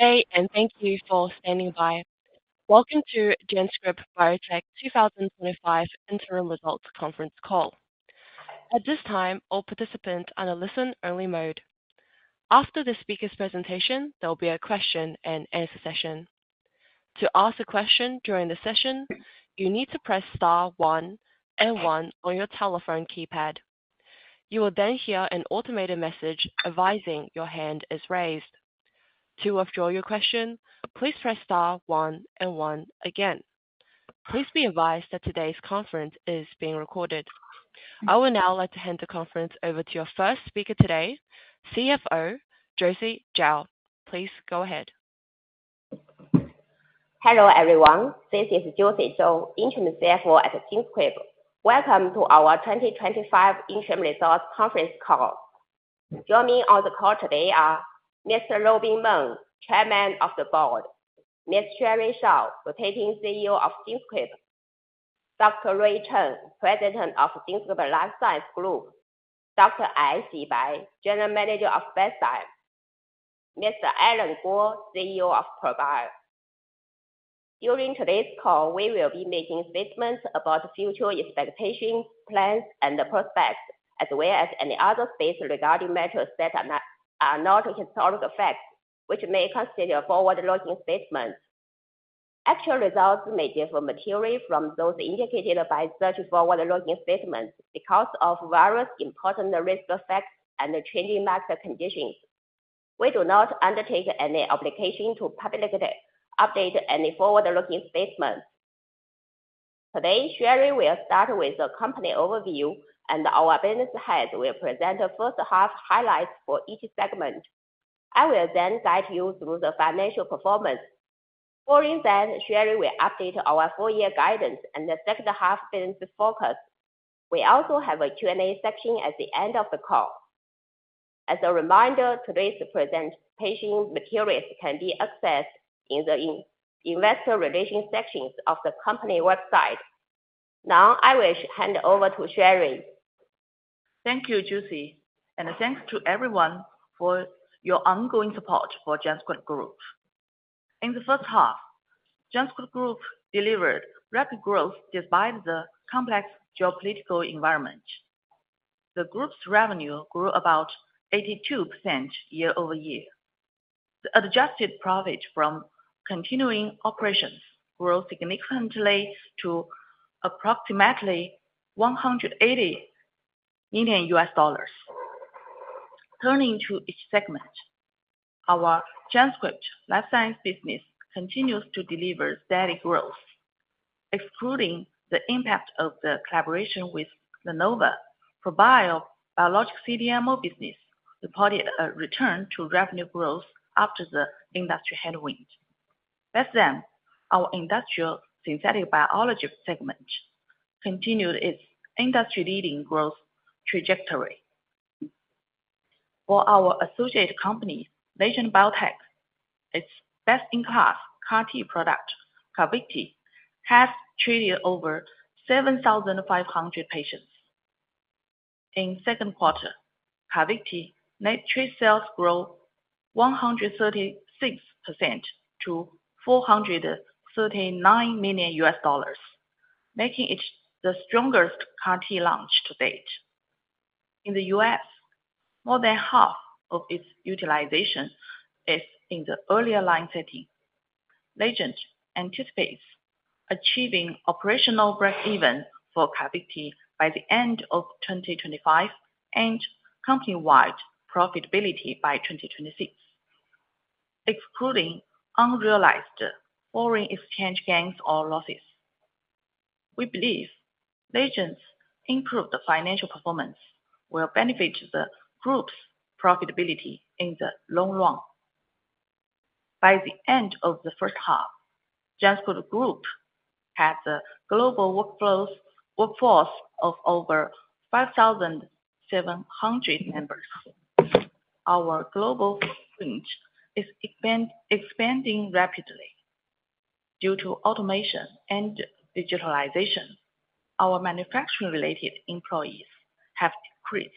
Today, and thank you for standing by. Welcome to GenScript Biotech 2025 interim results conference call. At this time, all participants are in a listen-only mode. After the speaker's presentation, there will be a question and answer session. To ask a question during the session, you need to press star one and one on your telephone keypad. You will then hear an automated message advising your hand is raised. To withdraw your question, please press star one and one again. Please be advised that today's conference is being recorded. I will now like to hand the conference over to our first speaker today, CFO, Josie Zhou. Please go ahead. Hello everyone, this is Josie Zhou, Interim CFO at GenScript Biotech Corporation. Welcome to our 2025 interim results conference call. Joining us on the call today are Mr. Robin Meng, Chairman of the Board; Mr. Ray Chen, Rotating CEO of GenScript Biotech Corporation; Dr. Ray Chen, President of GenScript Life Science Group; Dr. Aixi Bai, General Manager of Bestzyme; and Mr. Allen Guo, CEO of ProBio Technology. During today's call, we will be making statements about future expectations, plans, and prospects, as well as any other statements regarding matters that are not historical facts, which may be considered forward-looking statements. Actual results may differ materially from those indicated by such forward-looking statements because of various important risk factors and changing market conditions. We do not undertake any obligation to publicly update any forward-looking statements. Today, Shiniu will start with the company overview, and our business head will present the first half highlights for each segment. I will then guide you through the financial performance. Following that, Sherry will update our four-year guidance and the second half business focus. We also have a Q&A section at the end of the call. As a reminder, today's presentation materials can be accessed in the investor relations section of the company website. Now, I wish to hand over to Sherry. Thank you, Josie, and thanks to everyone for your ongoing support for GenScript Group. In the first half, GenScript Group delivered rapid growth despite the complex geopolitical environment. The group's revenue grew about 82% year over year. The adjusted profit from continuing operations grew significantly to approximately $180 million. Turning to each segment, our GenScript Life Science business continues to deliver steady growth. Excluding the impact of the collaboration with Lenovo, ProBio biologics CDMO business reported a return to revenue growth after the industry headwind. Bestzyme, our industrial synthetic biology segment, continued its industry-leading growth trajectory. For our associate company, Legend Biotech, its best-in-class CAR-T product, CARVYKTI, has treated over 7,500 patients. In the second quarter, CARVYKTI made three sales grow 136% to $439 million, making it the strongest CAR-T launch to date. In the U.S., more than half of its utilization is in the earlier line setting. Legend anticipates achieving operational break-even for CARVYKTI by the end of 2025 and company-wide profitability by 2026, excluding unrealized foreign exchange gains or losses. We believe Legend's improved financial performance will benefit the group's profitability in the long run. By the end of the first half, GenScript Group had a global workforce of over 5,700 members. Our global footprint is expanding rapidly. Due to automation and digitalization, our manufacturing-related employees have decreased.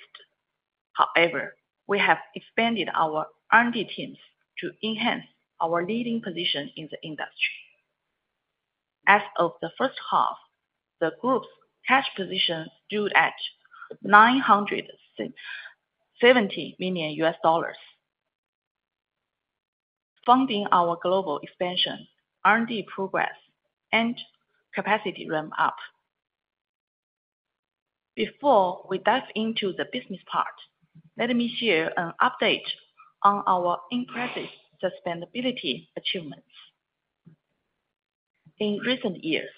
However, we have expanded our R&D teams to enhance our leading position in the industry. As of the first half, the group's cash position grew to $970 million, funding our global expansion, R&D progress, and capacity ramp up. Before we dive into the business part, let me share an update on our impressive sustainability achievements. In recent years,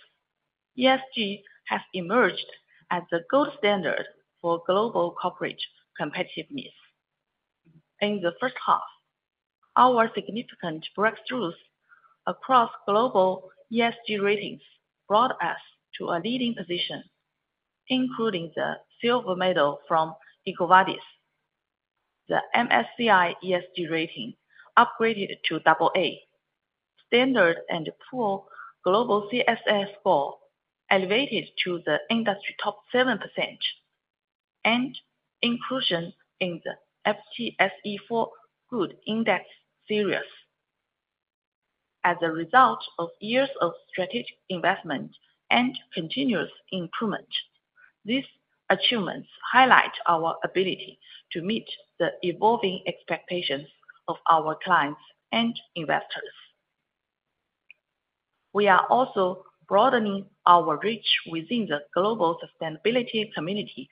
ESG has emerged as the gold standard for global corporate competitiveness. In the first half, our significant breakthroughs across global ESG ratings brought us to a leading position, including the Silver Medal from EcoVadis, the MSCI ESG rating upgraded to AA, Standard & Poor's Global CSA score elevated to the industry top 7%, and inclusion in the FTSE4Good Index Series. As a result of years of strategic investment and continuous improvement, these achievements highlight our ability to meet the evolving expectations of our clients and investors. We are also broadening our reach within the global sustainability community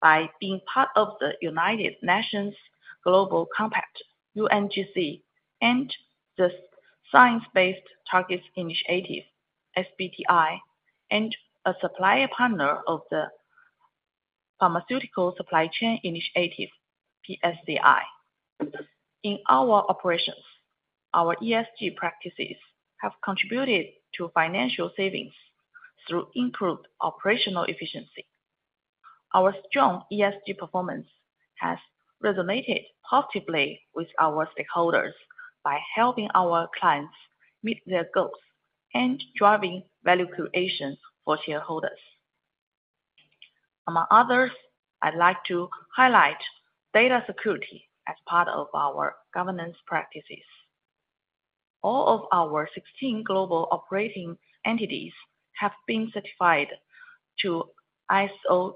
by being part of the United Nations Global Compact and the Science-Based Targets Initiative, and a supplier partner of the Pharmaceutical Supply Chain Initiative. In our operations, our ESG practices have contributed to financial savings through improved operational efficiency. Our strong ESG performance has resonated positively with our stakeholders by helping our clients meet their goals and driving value creation for shareholders. Among others, I'd like to highlight data security as part of our governance practices. All of our 16 global operating entities have been certified to ISO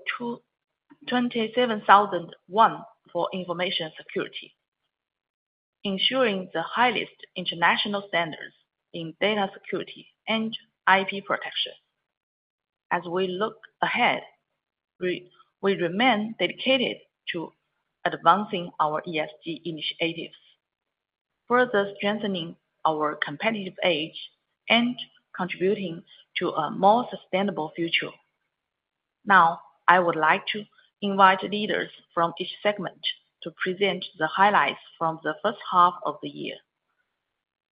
27001 for information security, ensuring the highest international standards in data security and IP protection. As we look ahead, we remain dedicated to advancing our ESG initiatives, further strengthening our competitive edge, and contributing to a more sustainable future. Now, I would like to invite leaders from each segment to present the highlights from the first half of the year.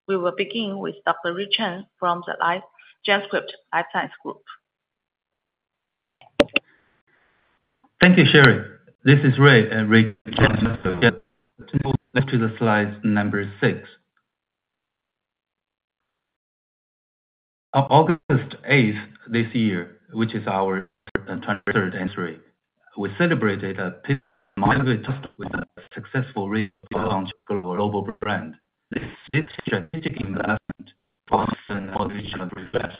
We will begin with Dr. Ray Chen from the GenScript Life Science Group. Thank you, Sherry. This is Ray and Ray Chen. Let's go to the slide number six. On August 8th this year, which is our 23rd anniversary, we celebrated a pivotal moment with a successful recent launch of our global brand. This strategic investment fosters a vision of progression.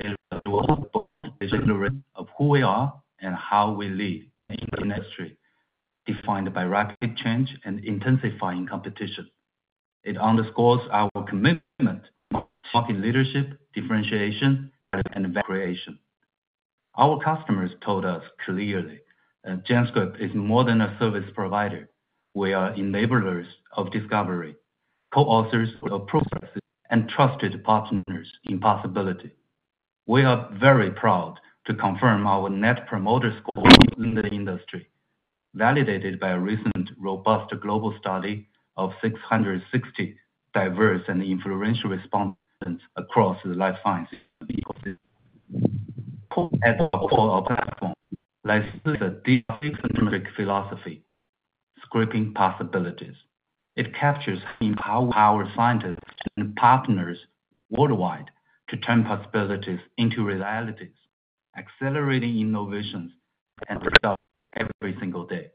It is a dual vision of who we are and how we lead in the industry, defined by rapid change and intensifying competition. It underscores our commitment to market leadership, differentiation, and innovation. Our customers told us clearly that GenScript is more than a service provider. We are enablers of discovery, co-authors of processes, and trusted partners in possibility. We are very proud to confirm our net promoter score in the industry, validated by a recent robust global study of 660 diverse and influential respondents across the life science. Our platform lives through the deep systematic philosophy, shaping possibilities. It captures and empowers our scientists and partners worldwide to turn possibilities into realities, accelerating innovations and development every single day.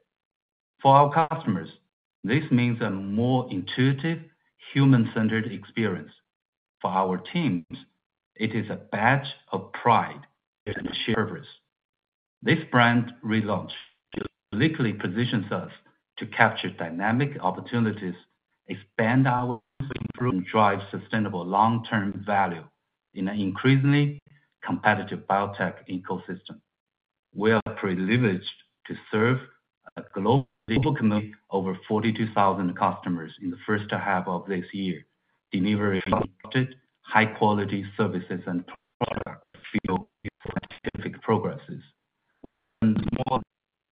For our customers, this means a more intuitive, human-centered experience. For our teams, it is a badge of pride and cherish. This brand relaunch likely positions us to capture dynamic opportunities, expand our improvement, and drive sustainable long-term value in an increasingly competitive biotech ecosystem. We are privileged to serve a global team of over 42,000 customers in the first half of this year, delivering high-quality services and products for specific progresses. More than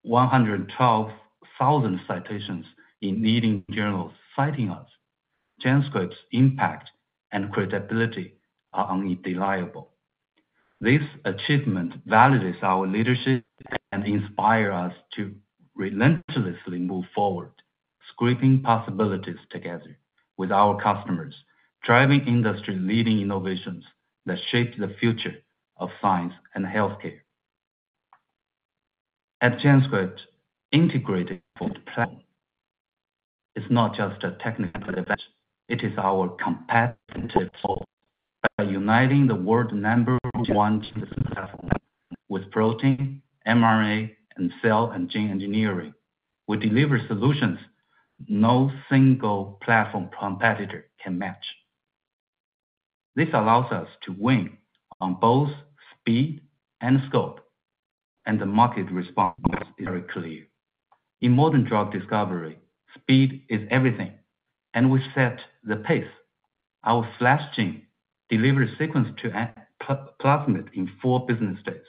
112,000 citations in leading journals cite us. GenScript's impact and credibility are undeniable. This achievement validates our leadership and inspires us to relentlessly move forward, shaping possibilities together with our customers, driving industry-leading innovations that shape the future of science and healthcare. At GenScript, integrating for the plan is not just a technical advancement. It is our competitive soul. By uniting the world's number one gene with protein, mRNA, and cell and gene engineering, we deliver solutions that no single platform competitor can match. This allows us to win on both speed and score, and the market response is very clear. In modern drug discovery, speed is everything, and we set the pace. Our flash gene delivers sequence to plasmid in four business days.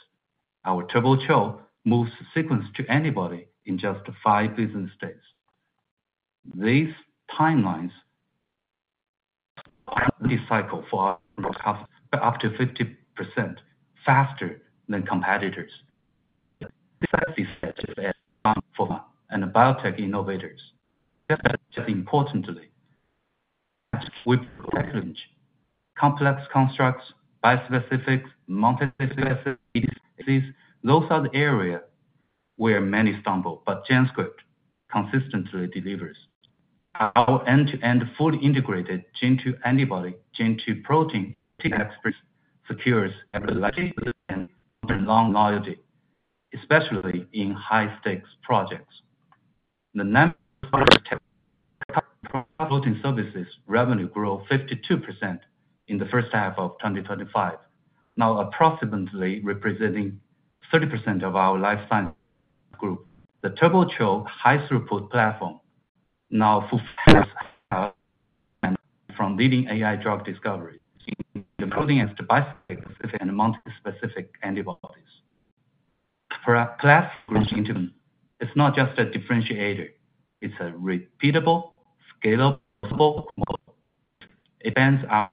Our TurboCHO moves sequence to antibody in just five business days. These timelines up the cycle for our customers up to 50% faster than competitors. This is essential for us and biotech innovators. Second, importantly, we've excellent complex constructs, bispecific, multispecific. Those are the areas where many stumble, but GenScript consistently delivers. Our end-to-end fully integrated gene-to-antibody, gene-to-protein, tick expression secures every logic and long loyalty, especially in high-stakes projects. The number of protein services revenue grew 52% in the first half of 2025, now approximately representing 30% of our Life Science Group. The TurboCHO high-throughput platform now fulfills our needs from leading AI drug discovery, including extra bispecific and multispecific antibodies. GenScript is not just a differentiator, it's a repeatable, scalable model. It bends our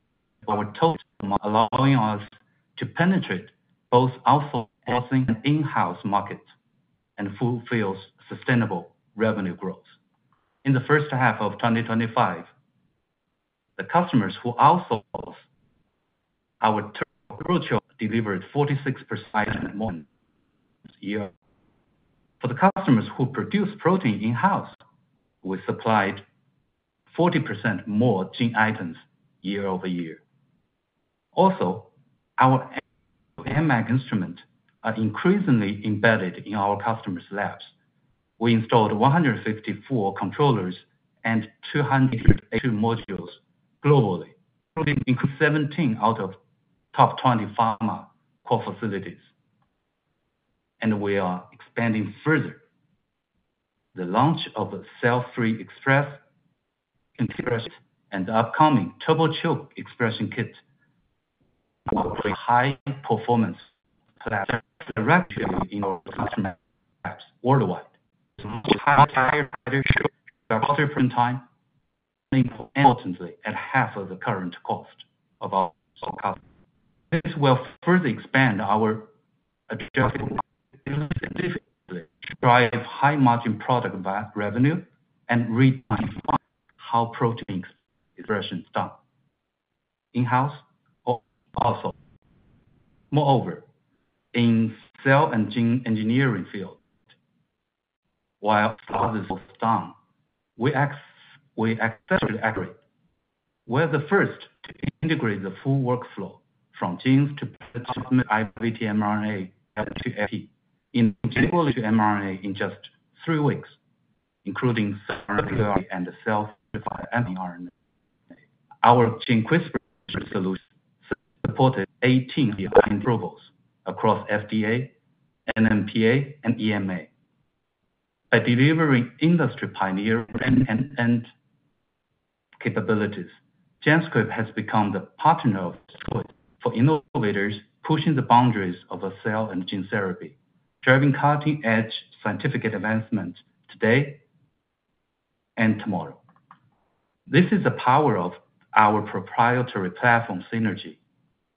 total model, allowing us to penetrate both outsourcing and in-house markets and fulfill sustainable revenue growth. In the first half of 2025, the customers who outsource our TurboCHO delivered 46% more this year. For the customers who produce protein in-house, we supplied 40% more gene items year over year. Also, our MX instruments are increasingly embedded in our customers' labs. We installed 164 controllers and 280 modules globally, including 17 out of the top 20 pharma core facilities. We are expanding further. The launch of the cell-free expression kit and the upcoming TurboCHO expression kit will be a high-performance platform directly in our customers' labs worldwide. We have higher production, faster turning time, and ultimately at half of the current cost of our customers. This will further expand our objective to drive high-margin product revenue and redefine how protein expression is done in-house or outsourced. Moreover, in the cell and gene engineering field, while others are done with accessory aggregates, we're the first to integrate the full workflow from genes to plasmid, i.e., mRNA, up to epi, and inhibitory mRNA in just three weeks, including cell and cell-specified anti-RNA. Our GeneQuest solution supported 18 different approvals across FDA, NMPA, and EMA, delivering industry-pioneer brand capabilities. GenScript has become the partner of the spot for innovators pushing the boundaries of cell and gene therapy, driving cutting-edge scientific advancements today and tomorrow. This is the power of our proprietary platform synergy,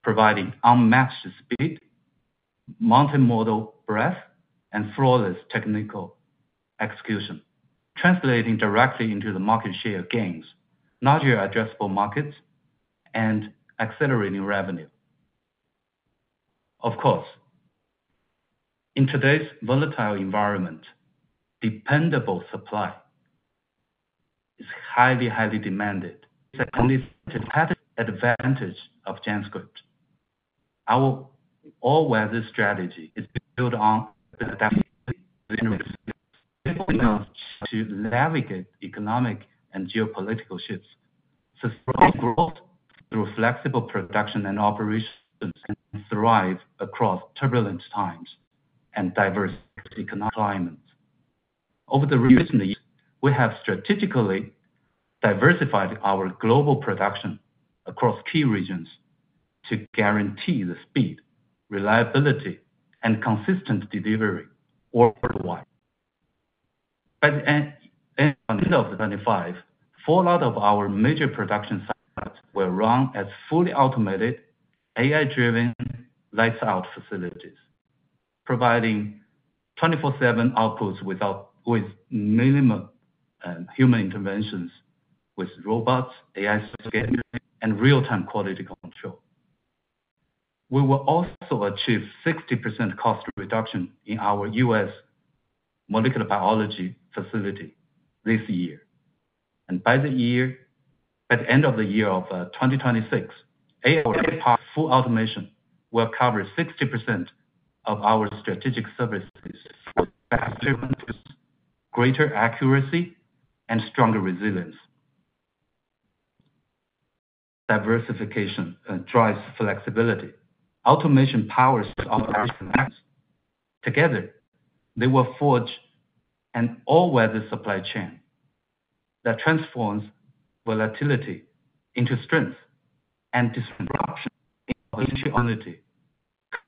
providing unmatched speed, multimodal breadth, and flawless technical execution, translating directly into the market share gains, larger addressable markets, and accelerating revenue. Of course, in today's volatile environment, dependable supply is highly, highly demanded. It's a competitive advantage of GenScript. Our all-weather strategy is to build on the adaptability of resilience to navigate economic and geopolitical shifts. Sustainable growth through flexible production and operations thrives across turbulent times and diverse economic climates. Over the recent years, we have strategically diversified our global production across key regions to guarantee the speed, reliability, and consistent delivery worldwide. By the end of 2025, four out of our major productions will run at fully automated, AI-driven lights-out facilities, providing 24/7 outputs with minimal human interventions, with robots, AI scheduling, and real-time quality control. We will also achieve 60% cost reduction in our U.S. molecular biology facility this year. By the end of the year of 2026, AI-powered full automation will cover 60% of our strategic services, faster runs, greater accuracy, and stronger resilience. Diversification drives flexibility. Automation powers the operational apps. Together, they will forge an all-weather supply chain that transforms volatility into strength and discipline, volatility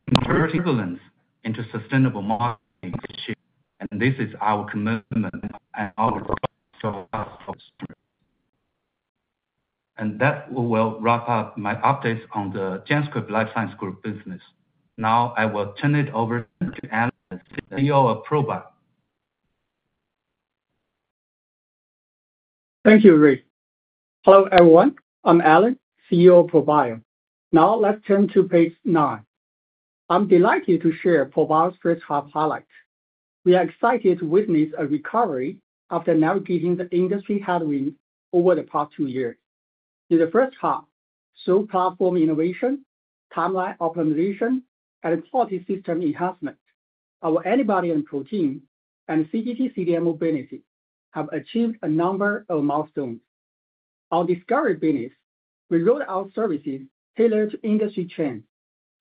into turbulence, into sustainable marketing initiatives. This is our commitment and our goal. That will wrap up my updates on the GenScript Life Science Group business. Now I will turn it over to Allen, CEO of ProBio. Thank you, Ray. Hello everyone. I'm Allen, CEO of ProBio. Now let's turn to page nine. I'm delighted to share ProBio's first half highlights. We are excited to witness a recovery after navigating the industry headwind over the past two years. In the first half, through platform innovation, timeline optimization, and quality system enhancement, our antibody and protein and CGT CDMO benefits have achieved a number of milestones. Our discovery benefits: we wrote our services tailored to industry trends.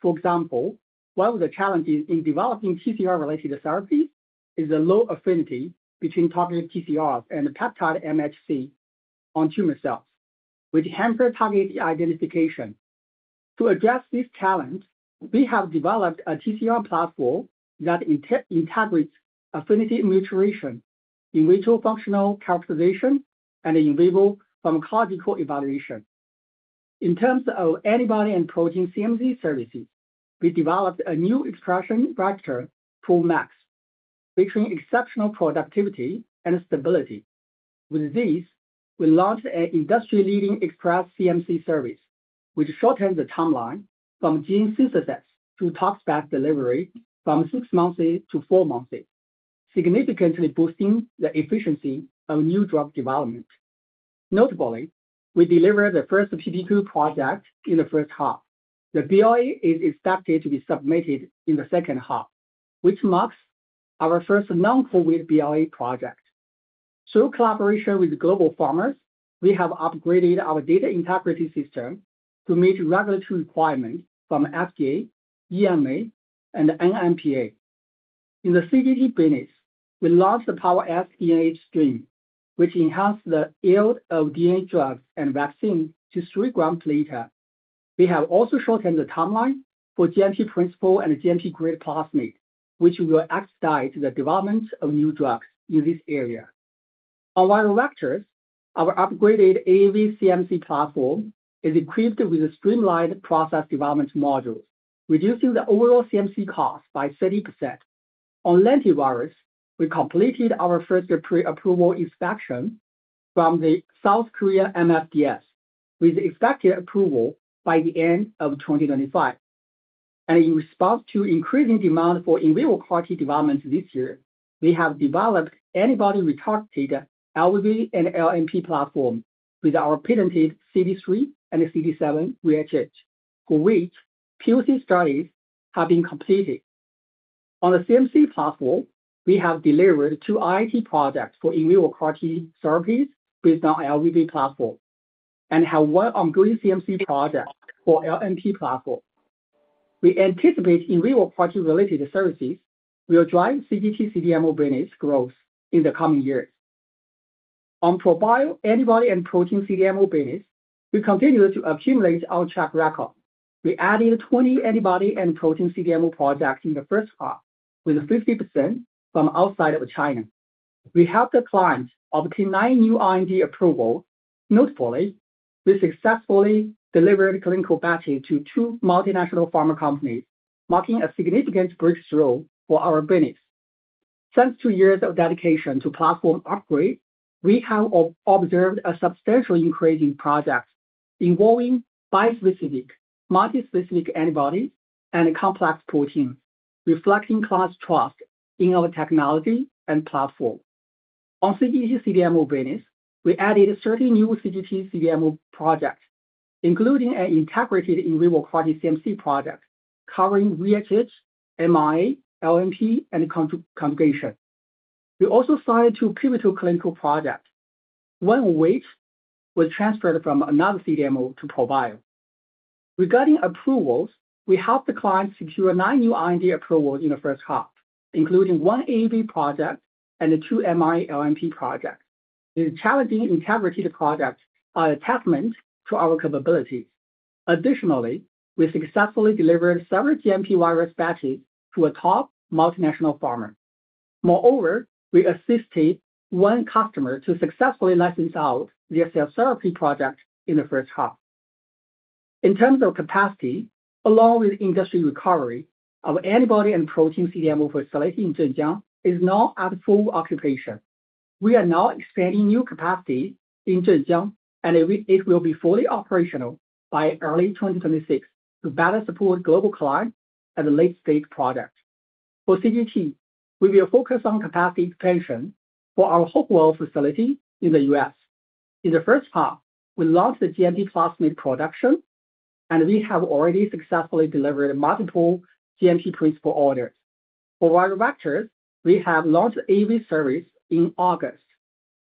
For example, one of the challenges in developing TCR-related therapies is the low affinity between targeted TCRs and the peptide MHC on tumor cells, which hampers target identification. To address this challenge, we have developed a TCR platform that integrates affinity maturation, in vitro functional characterization, and in vivo pharmacological evaluation. In terms of antibody and protein CMC services, we developed a new expression vector, PoolMax, featuring exceptional productivity and stability. With this, we launched an industry-leading express CMC service, which shortens the timeline from gene synthesis to toxpath delivery from six months to four months, significantly boosting the efficiency of new drug development. Notably, we delivered the first PD2 project in the first half. The BLA is expected to be submitted in the second half, which marks our first non-COVID BLA project. Through collaboration with global pharma, we have upgraded our data integrity system to meet regulatory requirements from FDA, EMA, and NMPA. In the CGT benefits, we launched the PowerS DNA stream, which enhances the yield of DNA drugs and vaccines to three grams later. We have also shortened the timeline for GMP principal and GMP grade plasmids, which will expedite the development of new drugs in this area. On viral vectors, our upgraded AAV CMC platform is equipped with a streamlined process development module, reducing the overall CMC cost by 30%. On lentivirus, we completed our first pre-approval inspection from the South Korean MFDS, with expected approval by the end of 2025. In response to increasing demand for in vivo quality development this year, we have developed antibody retargeted LVV and LNT platforms with our patented CD3 and CD7 reagents, for which QC studies have been completed. On the CMC platform, we have delivered two IND projects for in vivo quality therapies based on LVV platform and have one ongoing CMC project for LNT platform. We anticipate in vivo quality-related services will drive CGT CDMO benefits growth in the coming year. On ProBio antibody and protein CDMO benefits, we continue to accumulate our track record. We added 20 antibody and protein CDMO projects in the first half, with 50% from outside of China. We helped the client obtain nine new R&D approvals. Notably, we successfully delivered clinical batches to two multinational pharma companies, marking a significant breakthrough for our benefits. Since two years of dedication to platform upgrade, we have observed a substantial increase in projects involving bispecific, multispecific antibodies and complex proteins, reflecting clients' trust in our technology and platform. On CGT CDMO benefits, we added 30 new CGT CDMO projects, including an integrated in vivo quality CMC project covering reagents, mRNA, LNP, and conjugation. We also signed two pivotal clinical projects, one of which was transferred from another CDMO to ProBio. Regarding approvals, we helped the client secure nine new R&D approvals in the first half, including one AAV project and two mRNA-LNP projects. These challenging integrated projects are a testament to our capability. Additionally, we successfully delivered several GMP virus batches to a top multinational pharma. Moreover, we assisted one customer to successfully license out their cell therapy project in the first half. In terms of capacity, along with industry recovery, our antibody and protein CDMO facility in Zhejiang is now at full occupation. We are now expanding new capacity in Zhejiang, and it will be fully operational by early 2026 to better support global clients and late-stage projects. For CGT, we will focus on capacity expansion for our Hopewell facility in the U.S. In the first half, we launched the GMP plasmid production, and we have already successfully delivered multiple GMP principal orders. For viral vectors, we have launched AAV service in August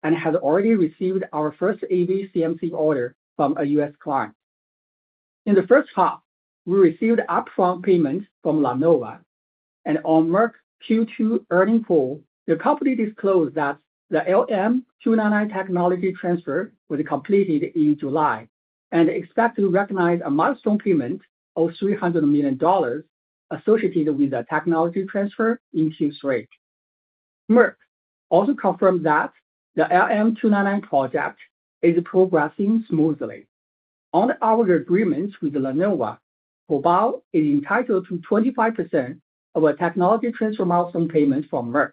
and have already received our first AAV CMC order from a U.S. client. In the first half, we received upfront payment from Lenovo, and on March Q2 earnings call, the company disclosed that the LM-299 technology transfer was completed in July and expects to recognize a milestone payment of $300 million associated with the technology transfer in Q3. Merck also confirmed that the LM-299 project is progressing smoothly. On our agreements with Lenovo, ProBio is entitled to 25% of a technology transfer milestone payment from Merck.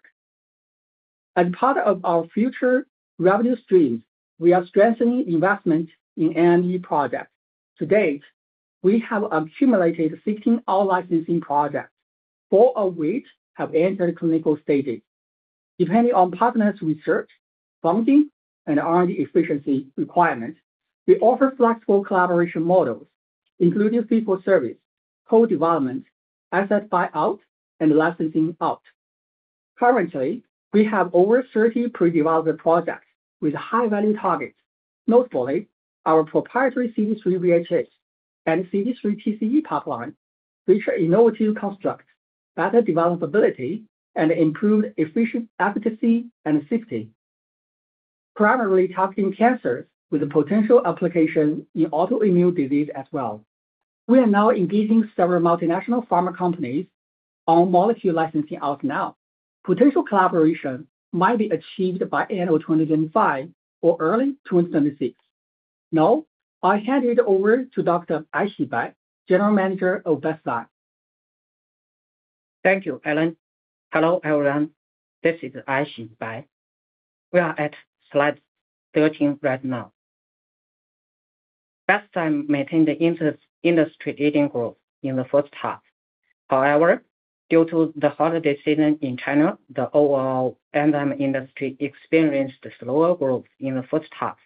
As part of our future revenue streams, we have strengthened investments in R&D projects. To date, we have accumulated 16 all-licensing projects, four of which have entered clinical stages. Depending on partners' research, funding, and R&D efficiency requirements, we offer flexible collaboration models, including fee-for-service, co-development, asset buyout, and licensing out. Currently, we have over 30 pre-developed projects with high-value targets. Notably, our proprietary CD3 reagents and CD3 TCE pipeline feature innovative constructs, better developability, and improved efficiency, efficacy, and safety, primarily targeting cancer, with potential application in autoimmune disease as well. We are now engaging several multinational pharma companies on molecule licensing out now. Potential collaboration might be achieved by the end of 2025 or early 2026. Now, I'll hand it over to Dr. Aixi Bai, General Manager of Bestzyme. Thank you, Allen. Hello everyone. This is Aixi Bai. We are at slide 13 right now. Bestzyme maintained the industry leading growth in the first half. However, due to the holiday season in China, the overall enzyme industry experienced slower growth in the first half.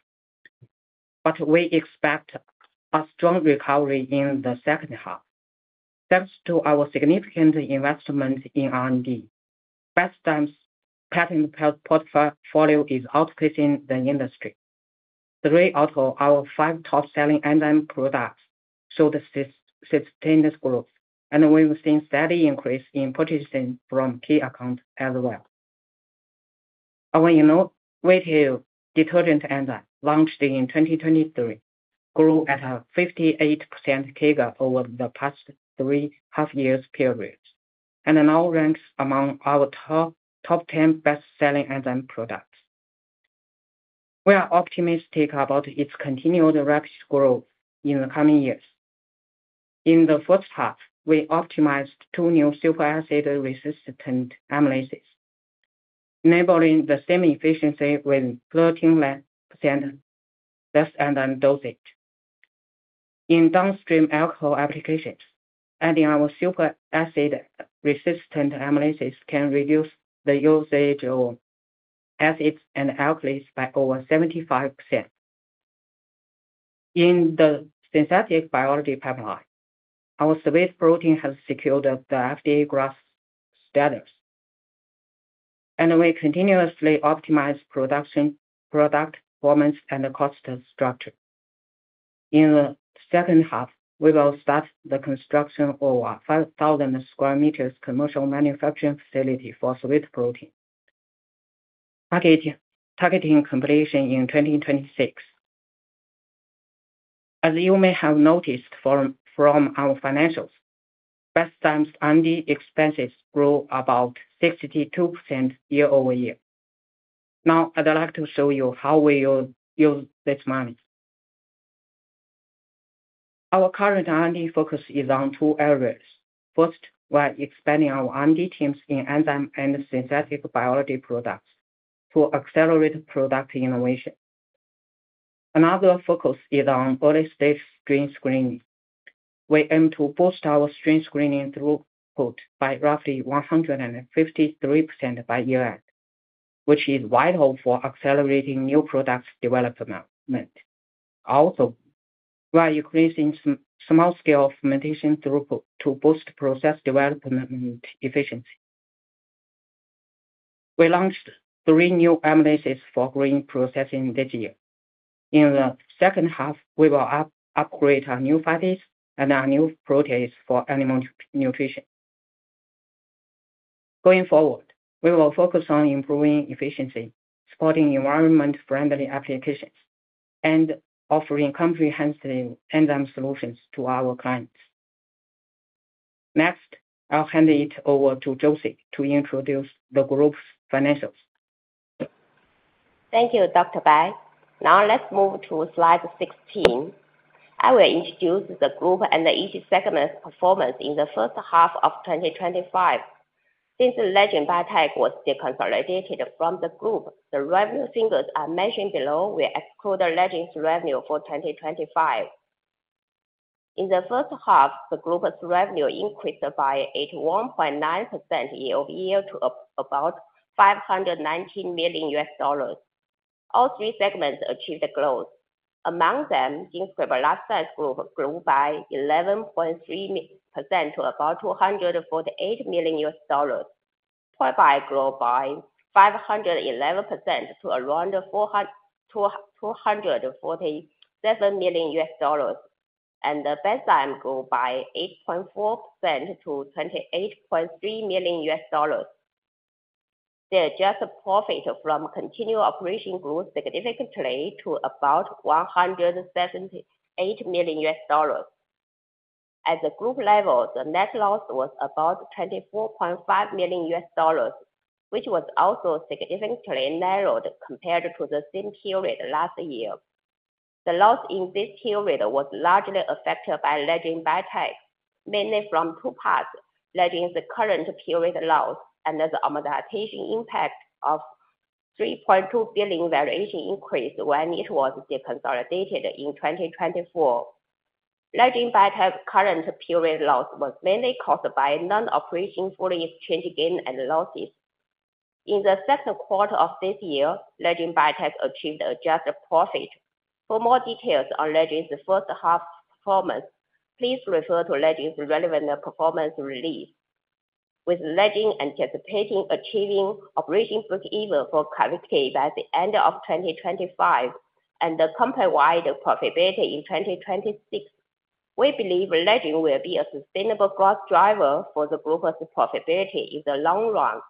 We expect a strong recovery in the second half. Thanks to our significant investment in R&D, Bestzyme's patent-powered portfolio is outpacing the industry. Three out of our five top-selling enzyme products showed sustained growth, and we've seen a steady increase in purchasing from key accounts as well. Our innovative detergent enzyme launched in 2023, growing at a 58% CAGR over the past three and a half years' period, now ranks among our top 10 best-selling enzyme products. We are optimistic about its continued rapid growth in the coming years. In the first half, we optimized two new superacid resistant amylases, enabling the same efficiency with 13% less enzyme dosage. In downstream alcohol applications, adding our superacid resistant amylases can reduce the usage of acids and alkylates by over 75%. In the synthetic biology pipeline, our sweet protein has secured the FDA GRAS standards, and we continuously optimize production, product performance, and cost structure. In the second half, we will start the construction of a 5,000 sq ms commercial manufacturing facility for sweet protein, targeting completion in 2026. As you may have noticed from our financials, Bestzyme's R&D expenses grew about 62% year-over-year. Now, I'd like to show you how we use this money. Our current R&D focus is on two areas. First, we're expanding our R&D teams in enzyme and synthetic biology products to accelerate product innovation. Another focus is on early-stage strain screening. We aim to boost our strain screening throughput by roughly 153% by year end, which is vital for accelerating new product development. Also, we're increasing small-scale fermentation throughput to boost process development efficiency. We launched three new amylases for green processing this year. In the second half, we will upgrade our new fatty and our new proteins for animal nutrition. Going forward, we will focus on improving efficiency, supporting environment-friendly applications, and offering comprehensive enzyme solutions to our clients. Next, I'll hand it over to Josie to introduce the group's financials. Thank you, Dr. Bai. Now let's move to slide 16. I will introduce the group and each segment's performance in the first half of 2025. Since Legend Biotech was de-consolidated from the group, the revenue figures are mentioned below. We exclude Legend's revenue for 2025. In the first half, the group's revenue increased by 81.9% year over year to about $519 million. All three segments achieved growth. Among them, GenScript Life Science Group grew by 11.3% to about $248 million. ProBio grew by 511% to around $247 million, and Bestzyme grew by 8.4% to $28.3 million. The adjusted profit from continued operation grew significantly to about $178 million. At the group level, the net loss was about $24.5 million, which was also significantly narrowed compared to the same period last year. The loss in this period was largely affected by Legend Biotech, mainly from two parts: Legend's current period loss and the amortization impact of $3.2 billion valuation increase when it was de-consolidated in 2024. Legend Biotech's current period loss was mainly caused by non-operating fully exchanged gains and losses. In the second quarter of this year, Legend Biotech achieved adjusted profit. For more details on Legend's first half performance, please refer to Legend's relevant performance release. With Legend anticipating achieving operation break-even for CARVYKTI by the end of 2025 and the company-wide profitability in 2026, we believe Legend will be a sustainable growth driver for the group's profitability in the long run.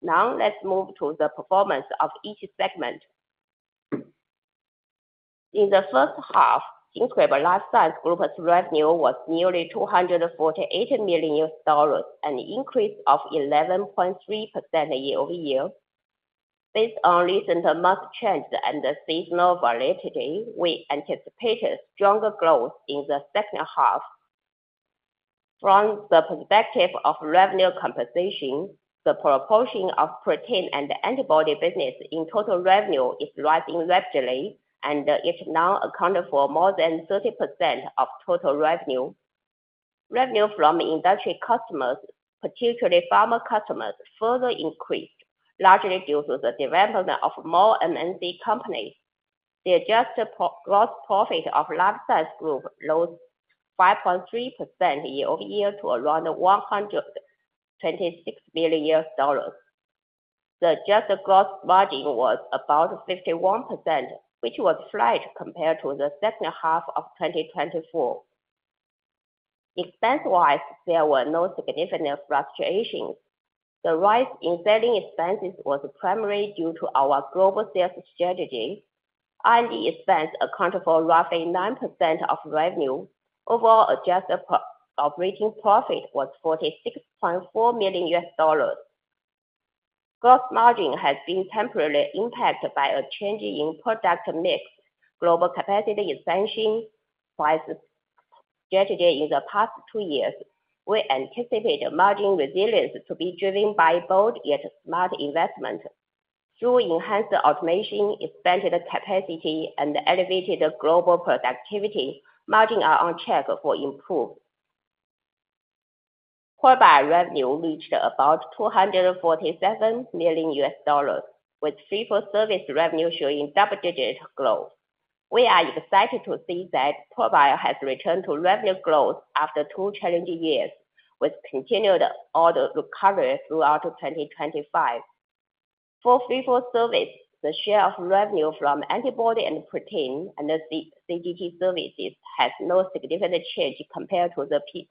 Now let's move to the performance of each segment. In the first half, GenScript Life Science Group's revenue was nearly $248 million, an increase of 11.3% year over year. Based on recent market trends and the seasonal volatility, we anticipated stronger growth in the second half. From the perspective of revenue compensation, the proportion of protein and antibody business in total revenue is rising rapidly, and it now accounts for more than 30% of total revenue. Revenue from industry customers, particularly pharma customers, further increased, largely due to the development of more MNC companies. The adjusted gross profit of Life Science Group rose 5.3% year-over-year to around $126 million. The adjusted gross margin was about 51%, which was slight compared to the second half of 2024. Expense-wise, there were no significant fluctuations. The rise in selling expenses was primarily due to our global sales strategy. R&D expense accounts for roughly 9% of revenue. Overall, adjusted operating profit was $46.4 million. Gross margin has been temporarily impacted by a change in product mix. Global capacity expansion was suggested in the past two years. We anticipate margin resilience to be driven by both smart investments. Through enhanced automation, expanded capacity, and elevated global productivity, margin on check will improve. ProBio revenue reached about $247 million, with fee-for-service revenue showing double-digit growth. We are excited to see that ProBio has returned to revenue growth after two challenging years, with continued order recovery throughout 2025. For fee-for-service, the share of revenue from antibody and protein and CGT services has no significant change compared to the previous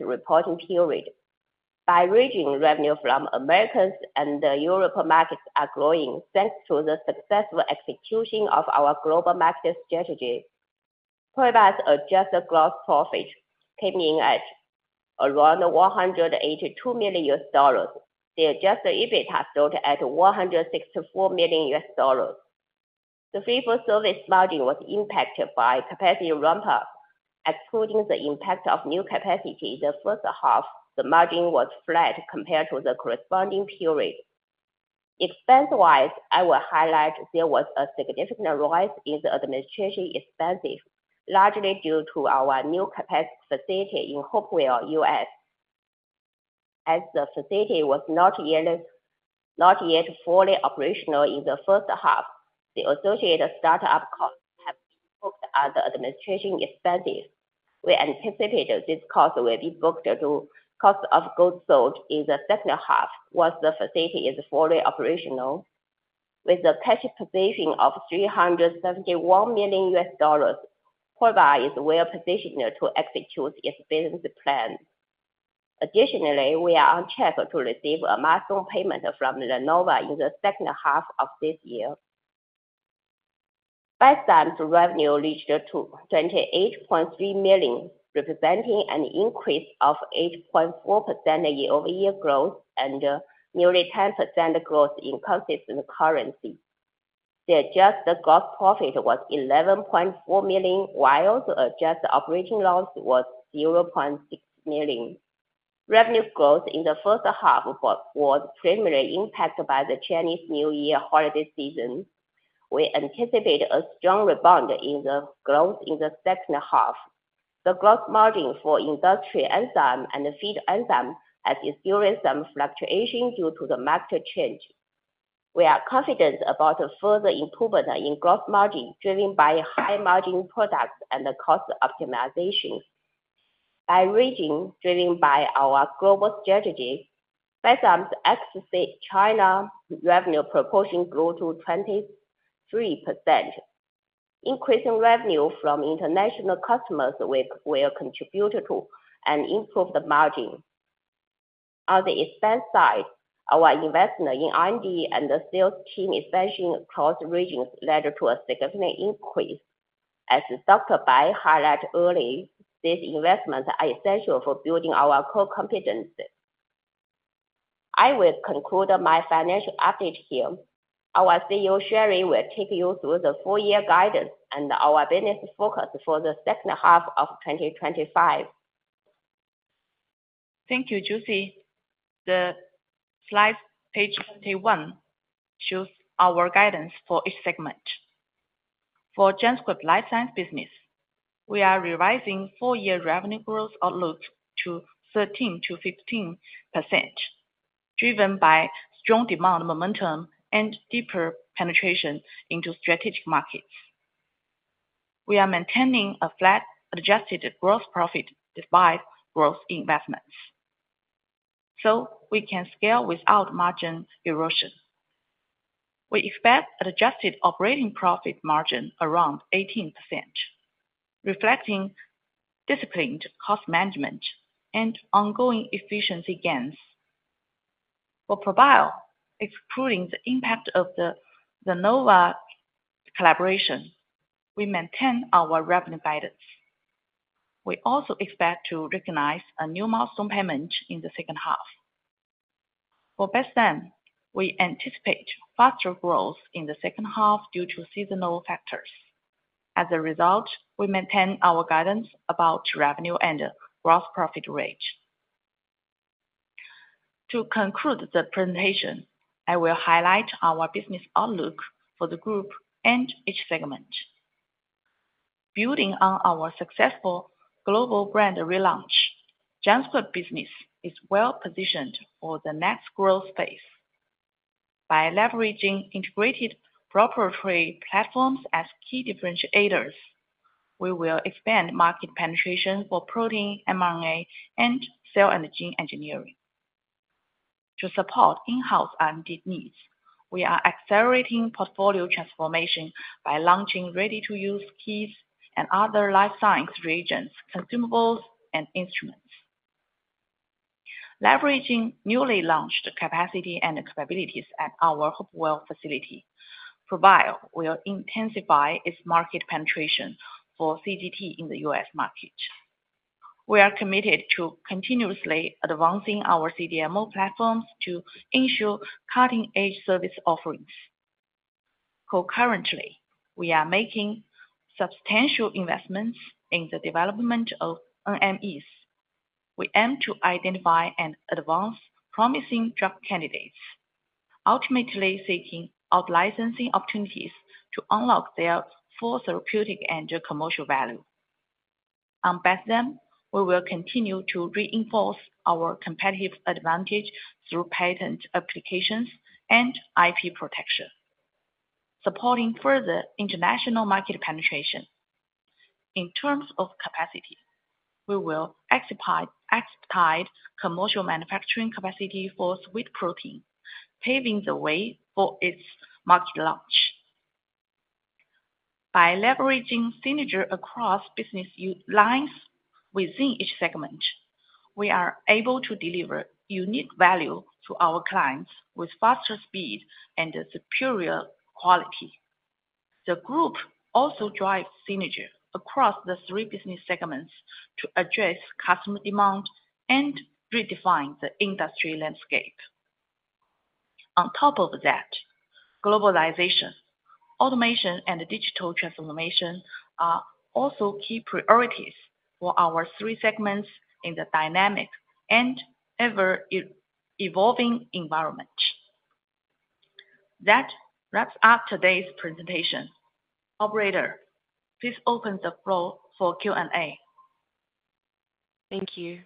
reporting period. By region, revenue from the Americas and the European markets are growing thanks to the successful execution of our global market strategy. ProBio's adjusted gross profit came in at around $182 million. The adjusted EBITDA stood at $164 million. The fee-for-service margin was impacted by capacity ramp-up. Excluding the impact of new capacity in the first half, the margin was flat compared to the corresponding period. Expense-wise, I will highlight there was a significant rise in the administration expenses, largely due to our new capacity facility in Hopewell, U.S. As the facility was not yet fully operational in the first half, the associated startup costs have been booked under administration expenses. We anticipated these costs will be booked to cost of goods sold in the second half once the facility is fully operational. With the cash position of $371 million, ProBio is well positioned to execute its business plan. Additionally, we are on track to receive a milestone payment from Lenovo in the second half of this year. Bestzyme's revenue reached $28.3 million, representing an increase of 8.4% year-over-year growth and nearly 10% growth in constant currency. The adjusted gross profit was $11.4 million, while the adjusted operating loss was $0.6 million. Revenue growth in the first half was primarily impacted by the Chinese New Year holiday season. We anticipate a strong rebound in the growth in the second half. The gross margin for industry enzymes and feed enzymes has experienced some fluctuation due to the market change. We are confident about further improvement in gross margin driven by high-margin products and cost optimization. By region, driven by our global strategy, Bestzyme's explicit China revenue proportion grew to 23%. Increasing revenue from international customers will contribute to and improve the margin. On the expense side, our investment in R&D and the sales team expansion across regions led to a significant increase. As Dr. Bai highlighted earlier, these investments are essential for building our core competences. I will conclude my financial updates here. Our CEO Shiniu Wei will take you through the four-year guidance and our business focus for the second half of 2025. Thank you, Josie. The slide page 31 shows our guidance for each segment. For GenScript Life Science business, we are revising four-year revenue growth outlook to 13%-15%, driven by strong demand momentum and deeper penetration into strategic markets. We are maintaining a flat adjusted gross profit despite growth investments, so we can scale without margin erosion. We expect an adjusted operating profit margin around 18%, reflecting disciplined cost management and ongoing efficiency gains. For ProBio, excluding the impact of the Lenovo collaboration, we maintain our revenue guidance. We also expect to recognize a new milestone payment in the second half. For Bestzyme, we anticipate faster growth in the second half due to seasonal factors. As a result, we maintain our guidance about revenue and gross profit rate. To conclude the presentation, I will highlight our business outlook for the group and each segment. Building on our successful global brand relaunch, GenScript business is well positioned for the next growth phase. By leveraging integrated proprietary platforms as key differentiators, we will expand market penetration for protein, mRNA, and cell and gene engineering. To support in-house R&D needs, we are accelerating portfolio transformation by launching ready-to-use kits and other life science reagents, consumables, and instruments. Leveraging newly launched capacity and capabilities at our Hopewell facility, ProBio will intensify its market penetration for CGT in the U.S. market. We are committed to continuously advancing our CDMO platforms to ensure cutting-edge service offerings. Concurrently, we are making substantial investments in the development of NMEs. We aim to identify and advance promising drug candidates, ultimately seeking out licensing opportunities to unlock their full therapeutic and commercial value. On Bestzyme, we will continue to reinforce our competitive advantage through patent applications and IP protection, supporting further international market penetration. In terms of capacity, we will expedite commercial manufacturing capacity for sweet protein, paving the way for its market launch. By leveraging synergy across business lines within each segment, we are able to deliver unique value to our clients with faster speed and superior quality. The group also drives synergy across the three business segments to address customer demand and redefine the industry landscape. On top of that, globalization, automation, and digital transformation are also key priorities for our three segments in the dynamic and ever-evolving environment. That wraps up today's presentation. Operator, please open the floor for Q&A. Thank you.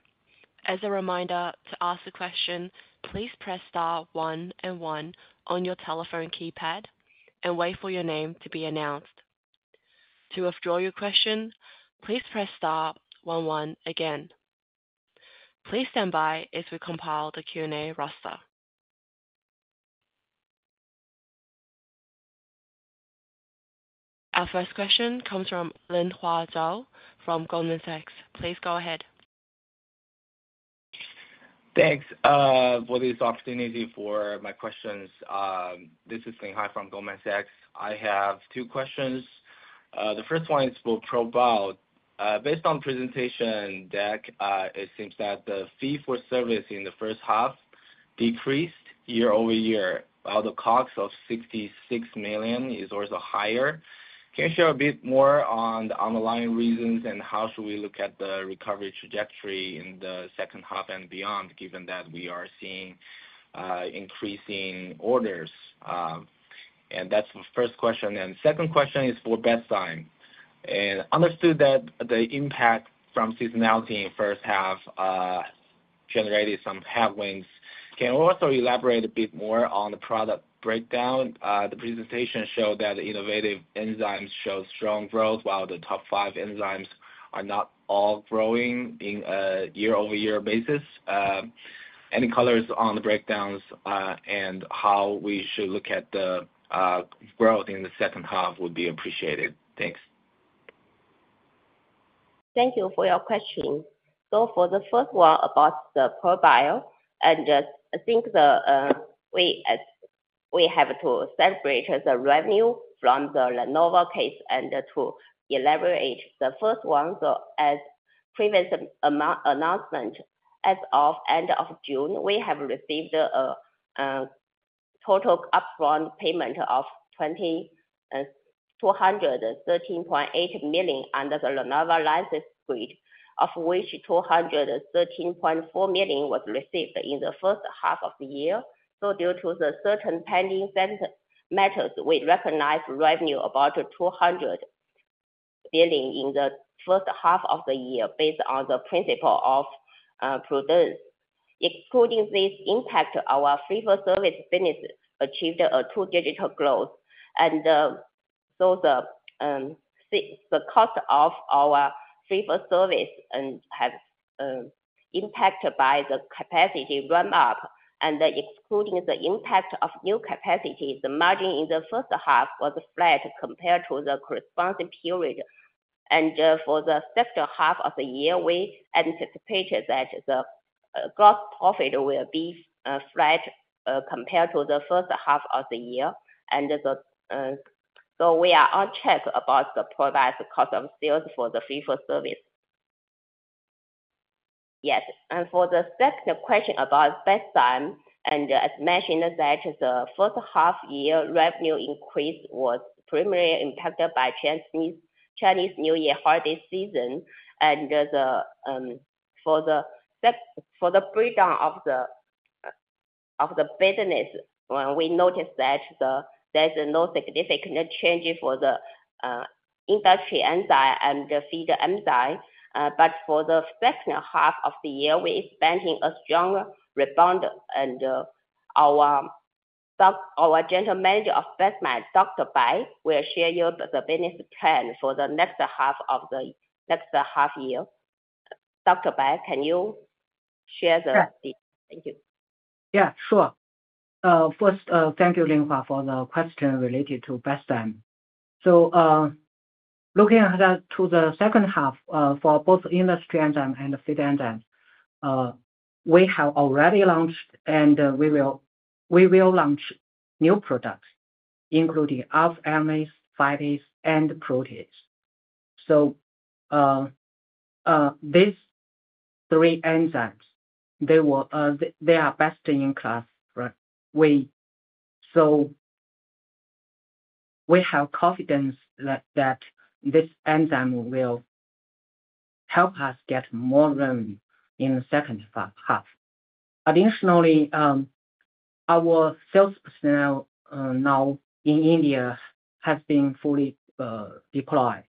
As a reminder, to ask a question, please press star one and one on your telephone keypad and wait for your name to be announced. To withdraw your question, please press star one one again. Please stand by as we compile the Q&A roster. Our first question comes from Linhai Zhao from Goldman Sachs. Please go ahead. Thanks for this opportunity for my questions. This is Linhai from Goldman Sachs. I have two questions. The first one is for ProBio. Based on the presentation deck, it seems thaHua fromt the fee for service in the first half decreased year over year, while the cost of $66 million is also higher. Can you share a bit more on the underlying reasons and how should we look at the recovery trajectory in the second half and beyond, given that we are seeing increasing orders? That's the first question. The second question is for Bestzyme. Understood that the impact from seasonality in the first half generated some headwinds. Can you also elaborate a bit more on the product breakdown? The presentation showed that innovative enzymes show strong growth, while the top five enzymes are not all growing on a year-over-year basis. Any colors on the breakdowns and how we should look at the growth in the second half would be appreciated. Thanks. Thank you for your question. For the first one about ProBio, we have to celebrate the revenue from the Lenovo case and to elaborate the first one. As previous announcements, as of the end of June, we have received a total upfront payment of $213.8 million under the Lenovo license agreement, of which $213.4 million was received in the first half of the year. Due to certain pending matters, we recognize revenue about $200 million in the first half of the year based on the principle of production. Excluding this impact, our fee-for-service business achieved a two-digit growth. The cost of our fee-for-service has been impacted by the capacity ramp-up. Excluding the impact of new capacity, the margin in the first half was flat compared to the corresponding period. For the second half of the year, we anticipate that the gross profit will be flat compared to the first half of the year. We are on track about ProBio's cost of sales for the fee-for-service. For the second question about Bestzyme, as mentioned, the first half-year revenue increase was primarily impacted by Chinese New Year holiday season. For the breakdown of the business, we noticed that there's no significant change for the industrial enzyme and the feed enzyme. For the second half of the year, we're expecting a stronger rebound. Our General Manager of Bestzyme, Dr. Aixi Bai, will share with you the business plan for the next half of the next half year. Dr. Bai, can you share the? Sure. Thank you. Yeah, sure. First, thank you, Linhai, for the question related to Bestzyme. Looking ahead to the second half for both industrial enzymes and feed enzymes, we have already launched and we will launch new products, including RNases, phytases, and proteases. These three enzymes are best in class, right? We have confidence that these enzymes will help us get more revenue in the second half. Additionally, our sales personnel now in India have been fully deployed.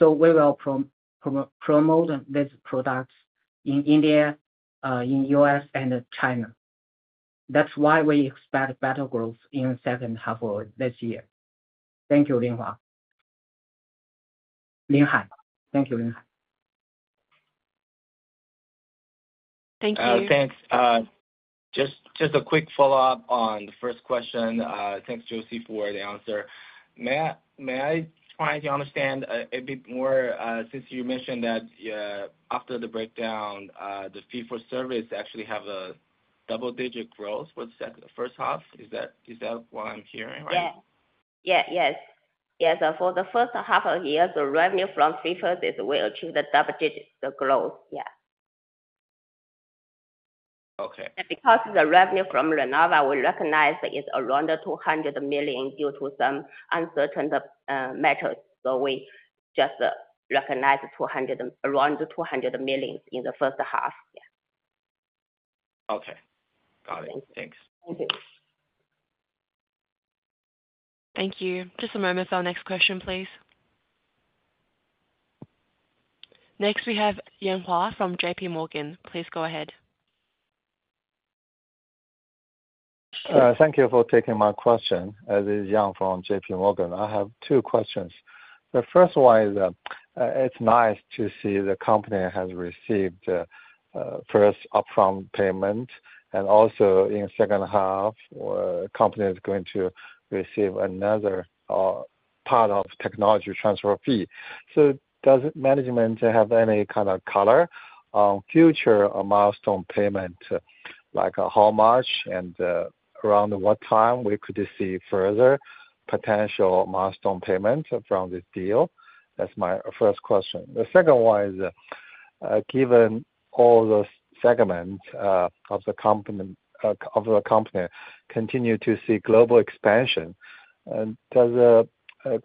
We will promote these products in India, in the U.S., and China. That's why we expect better growth in the second half of this year. Thank you, Linhai. Linhai, thank you, Linhai. Thank you. Thanks. Just a quick follow-up on the first question. Thanks, Josie, for the answer. May I try to understand a bit more? Since you mentioned that after the breakdown, the fee for service actually has a double-digit growth for the second first half. Is that what I'm hearing right? Yes. For the first half of the year, the revenue from fee for service will achieve the double-digit growth. Okay. Because the revenue from Lenovo, we recognize it's around $200 million due to some uncertain matters. We just recognize around $200 million in the first half. Yeah. Okay. Got it. Thanks. Thank you. Thank you. Just a moment for our next question, please. Next, we have Yang Huang from JPMorgan. Please go ahead. Thank you for taking my question. This is Yang from JPMorgan. I have two questions. The first one is, it's nice to see the company has received the first upfront payment. Also, in the second half, the company is going to receive another part of the technology transfer fee. Does management have any kind of color on future milestone payments, like how much and around what time we could see further potential milestone payments from this deal? That's my first question. The second one is, given all the segments of the company continue to see global expansion, does the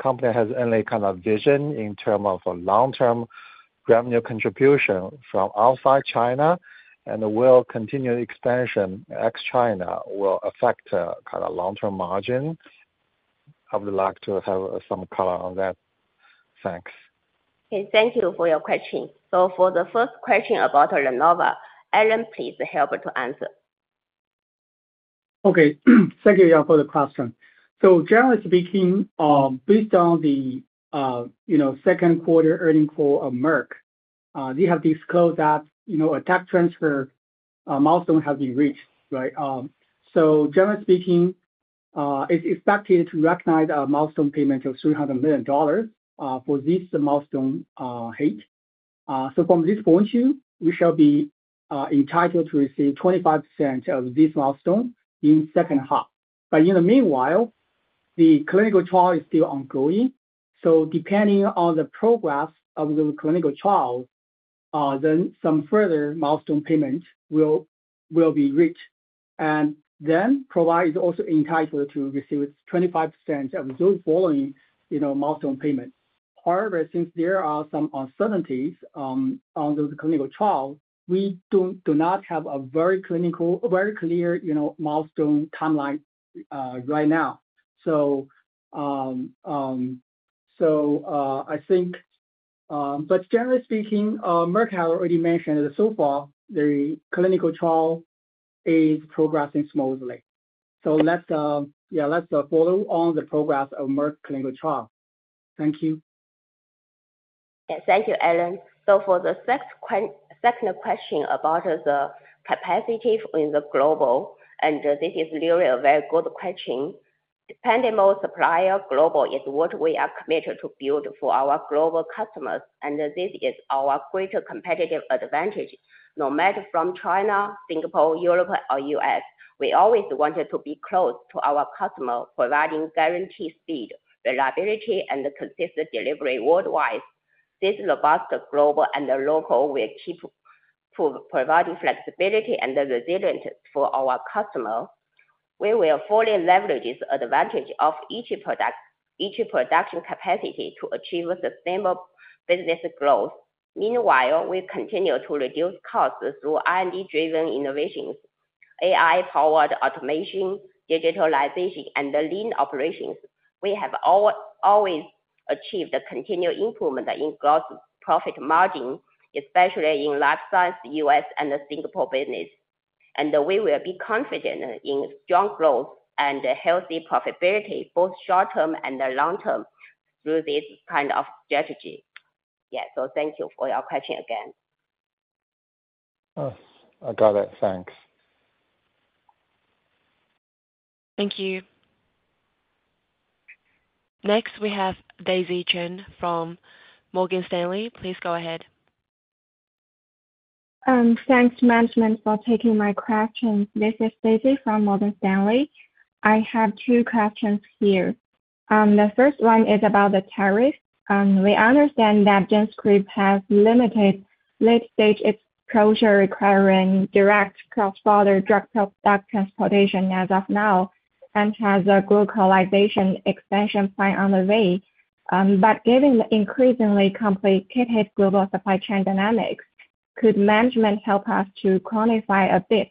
company have any kind of vision in terms of long-term revenue contribution from outside China? Will continued expansion ex-China affect kind of long-term margin? I would like to have some color on that. Thanks. Okay. Thank you for your question. For the first question about Lenovo, Allen, please help to answer. Okay. Thank you, Yang, for the question. Generally speaking, based on the second quarter earnings call of Merck, they have disclosed that a debt transfer milestone has been reached, right? Generally speaking, it's expected to recognize a milestone payment of $300 million for this milestone hit. From this point of view, we shall be entitled to receive 25% of this milestone in the second half. In the meanwhile, the clinical trial is still ongoing. Depending on the progress of the clinical trial, some further milestone payments will be reached. ProBio is also entitled to receive 25% of those following milestone payments. However, since there are some uncertainties on those clinical trials, we do not have a very clear milestone timeline right now. I think, generally speaking, Merck has already mentioned that so far the clinical trial is progressing smoothly. Let's follow on the progress of Merck clinical trial. Thank you. Yeah. Thank you, Allen. For the second question about the capacity in the global, this is really a very good question. Depending on the supplier globally, it's what we are committed to build for our global customers. This is our greater competitive advantage. No matter from China, Singapore, Europe, or U.S., we always wanted to be close to our customers, providing guaranteed speed, reliability, and consistent delivery worldwide. This robust global and local will keep providing flexibility and resilience for our customers. We will fully leverage this advantage of each product's, each production capacity to achieve sustainable business growth. Meanwhile, we continue to reduce costs through R&D-driven innovations, AI-powered automation, digitalization, and lean operations. We have always achieved continued improvement in gross profit margins, especially in life science, U.S., and Singapore business. We will be confident in strong growth and healthy profitability, both short-term and long-term, through this kind of strategy. Yeah. Thank you for your question again. I got it. Thanks. Thank you. Next, we have Daisy Cheng from Morgan Stanley. Please go ahead. Thanks, management, for taking my questions. This is Daisy from Morgan Stanley. I have two questions here. The first one is about the tariffs. We understand that GenScript has limited late-stage exposure requiring direct cross-border drug product transportation as of now and has a globalization expansion plan on the way. Given the increasingly complicated global supply chain dynamics, could management help us to quantify a bit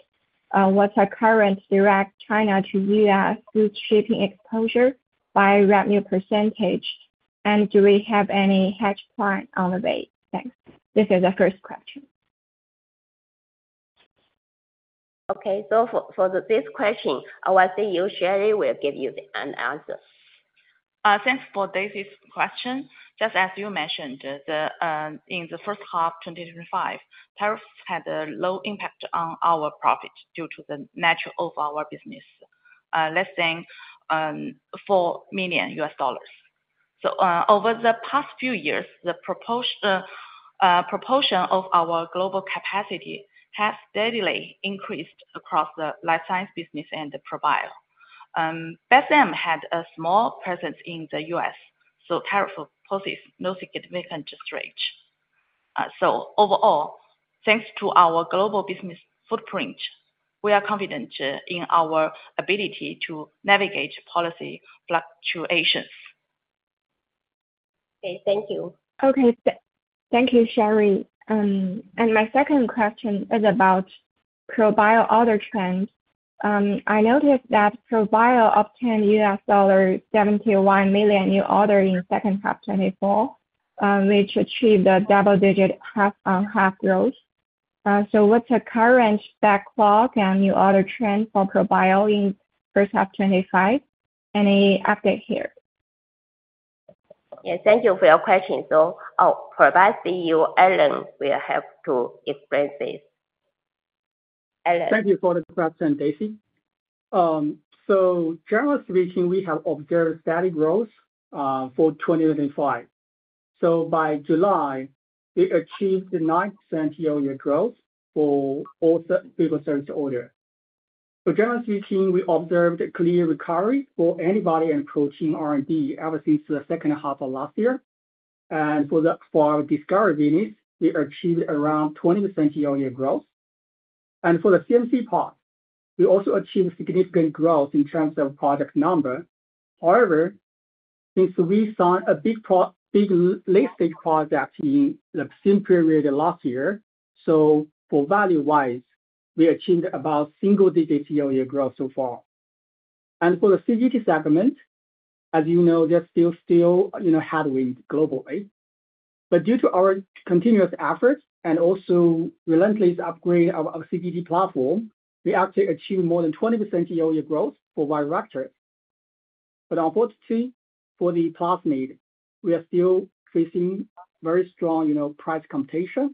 what's our current direct China to U.S. food shipping exposure by revenue percentage? Do we have any hedge plan on the way? Thanks. This is the first question. Okay. For this question, Shiniu Wei will give you an answer. Thanks for Daisy's question. Just as you mentioned, in the first half of 2025, tariffs had a low impact on our profit due to the nature of our business, less than $4 million. Over the past few years, the proportion of our global capacity has steadily increased across the life-science business and ProBio. Bestzyme had a small presence in the U.S., so tariffs posed no significant strain. Overall, thanks to our global business footprint, we are confident in our ability to navigate policy fluctuations. Okay, thank you. Okay. Thank you, Sherry. My second question is about ProBio order trends. I noticed that ProBio obtained $71 million new orders in the second half of 2024, which achieved a double-digit half-on-half growth. What's the current backlog and new order trends for ProBio in the first half of 2025? Any update here? Yeah. Thank you for your question. Our ProBio CEO, Allen Guo, will have to explain this. Allen. Thank you for the question, Daisy. Generally speaking, we have observed steady growth for 2025. By July, we achieved 9% year-over-year growth for all fee-for-service orders. Generally speaking, we observed a clear recovery for antibody and protein R&D ever since the second half of last year. For the discovery units, we achieved around 20% year-over-year growth. For the CMC part, we also achieved significant growth in terms of project numbers. However, since we signed a big late-stage project in the same period last year, for value-wise, we achieved about single-digit year-over-year growth so far. For the CGT segment, as you know, there's still headwinds globally. Due to our continuous efforts and also relentless upgrade of our CGT platform, we actually achieved more than 20% year-over-year growth for viral vectors. Unfortunately, for the plasmids, we are still facing very strong price competition.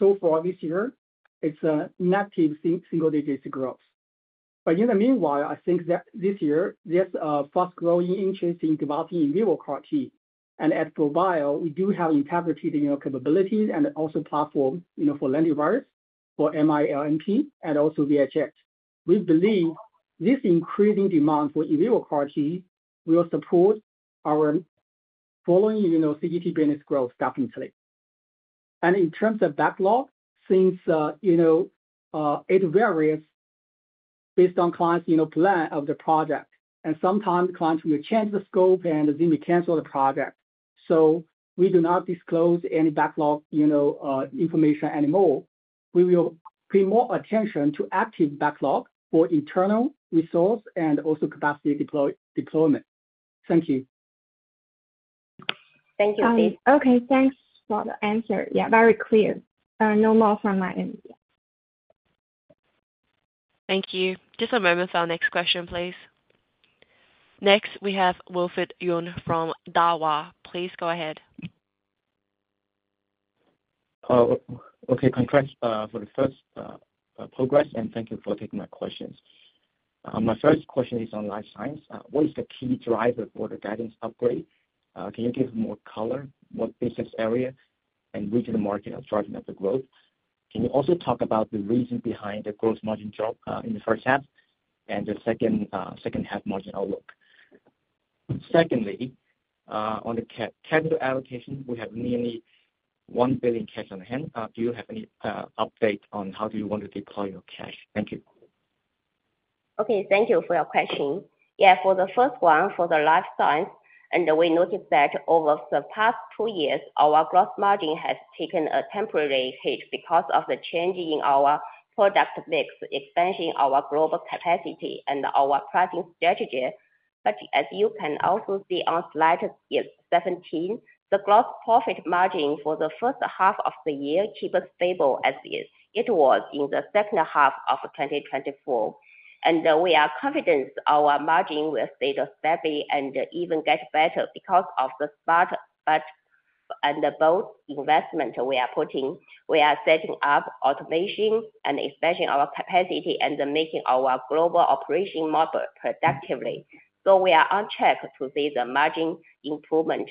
So far this year, it's a negative single-digit growth. In the meanwhile, I think that this year, there's a fast-growing interest in developing in vivo CAR-T. At ProBio, we do have incapacitated capabilities and also platform for lentivirus, for mRNA, and also VHX. We believe this increasing demand for in vivo CAR-T will support our following CGT business growth definitely. In terms of backlog, since it varies based on clients' plan of the project, and sometimes clients will change the scope and simply cancel the project, we do not disclose any backlog information anymore. We will pay more attention to active backlog for internal resource and also capacity deployment. Thank you. Thank you, Daisy Cheng. Okay. Thanks for the answer. Yeah, very clear. No more from my end. Thank you. Just a moment for our next question, please. Next, we have Wilfred Yuen from Daiwa. Please go ahead. Okay. My question for the first progress, and thank you for taking my questions. My first question is on life science. What is the key driver for the guidance upgrade? Can you give more color? What business areas and regional margins are driving up the growth? Can you also talk about the reason behind the gross margin drop in the first half and the second half margin outlook? Secondly, on the capital allocation, we have nearly $1 billion cash on hand. Do you have any update on how do you want to deploy your cash? Thank you. Okay. Thank you for your question. For the first one, for the life science, we noticed that over the past two years, our gross margin has taken a temporary hit because of the change in our product mix, expansion in our global capacity, and our pricing strategy. As you can also see on slide 17, the gross profit margin for the first half of the year keeps stable as it was in the second half of 2024. We are confident our margin will stay stable and even get better because of the spot and the bold investment we are putting. We are setting up automation and expanding our capacity and making our global operation model productively. We are on track to see the margin improvement.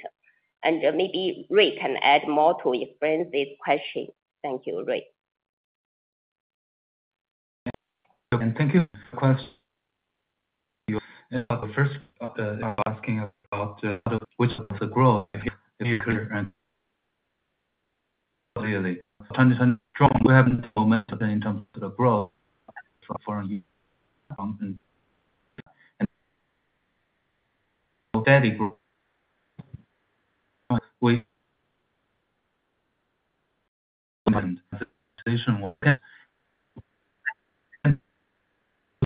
Maybe Ray can add more to explain this question. Thank you, Ray. Thank you for the question. The first, asking about which of the growth. Yeah, yeah, yeah. We haven't so much done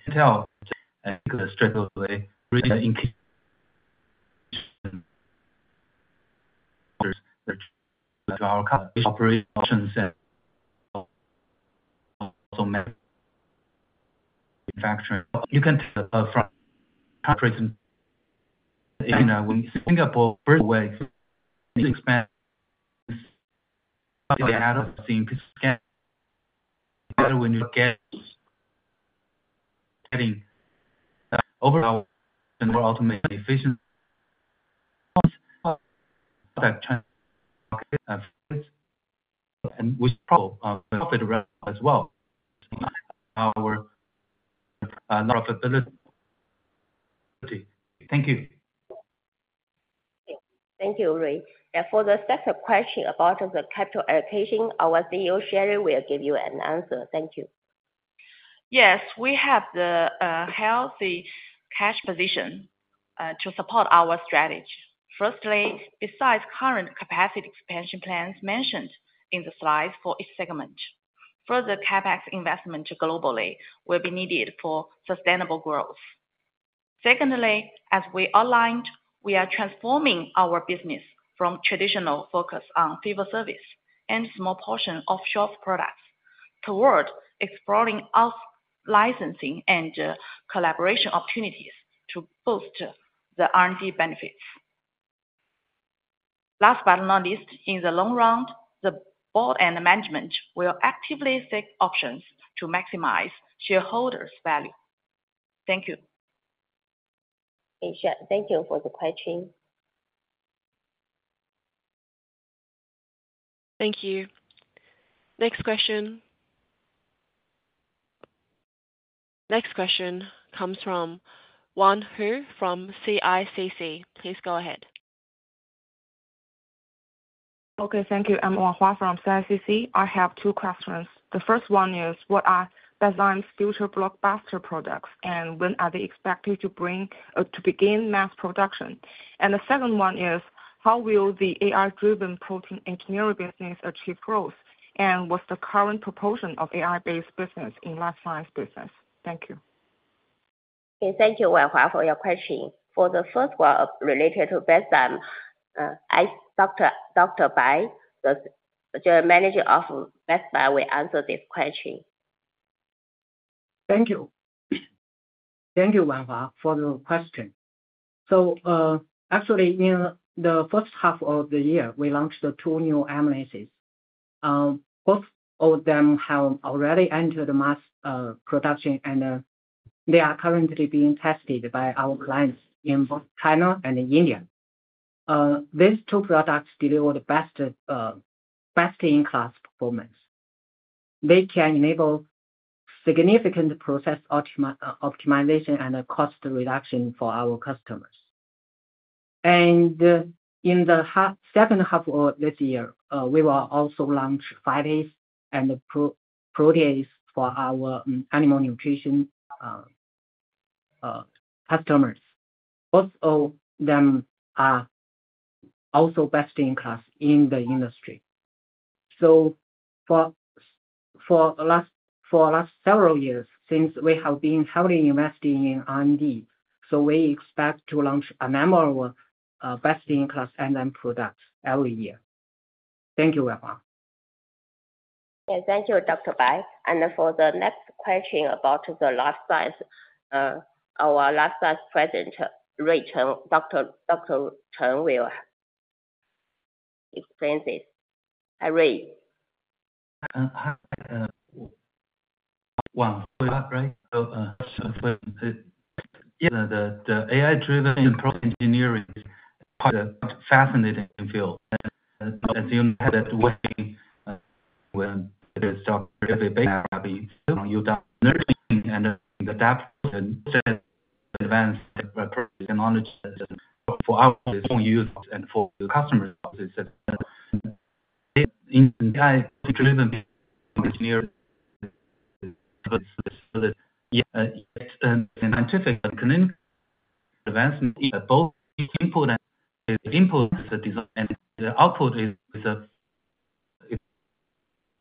in terms of the growth from optimization and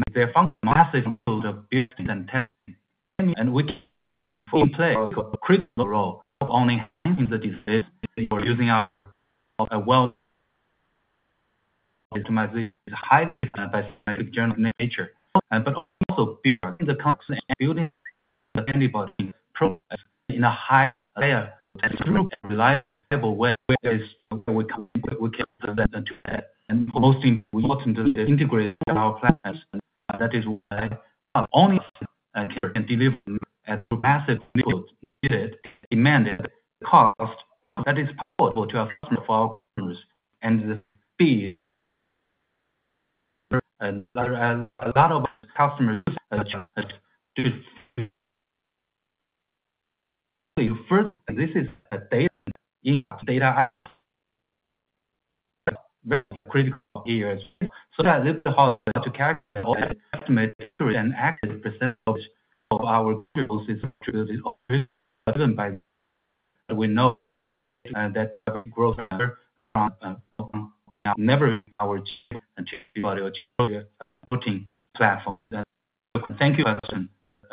most important integrated in our plans. That is why not only can deliver at a massive level demanded cost that is affordable to our customers and the fee. A lot of customers have to. Your first. This is a data hack. Very critical here. That is how to capture and estimate and act. 10% of our growth is contributed by. We know that our growth has never changed until you are putting the platform. Thank you,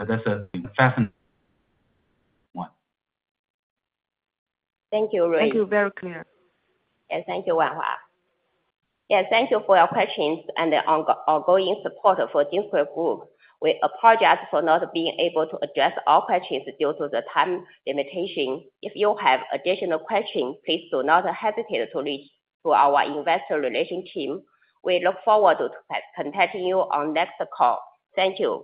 that's a fascinating one. Thank you, Ray. Thank you, very clear. Thank you, Wilfred. Thank you for your questions and the ongoing support for GenScript Biotech Corporation. We apologize for not being able to address all questions due to the time limitation. If you have additional questions, please do not hesitate to reach out to our investor relations team. We look forward to contacting you on the next call. Thank you.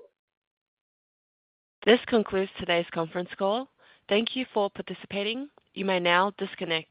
This concludes today's conference call. Thank you for participating. You may now disconnect.